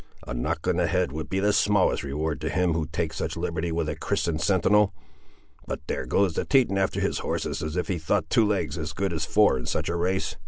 A knock on the head would be the smallest reward to him who should take such a liberty with a Christian sentinel; but there goes the Teton after his horses as if he thought two legs as good as four in such a race!